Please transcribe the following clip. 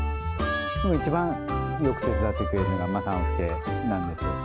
一番よく手伝ってくれるのが雅之介なんです。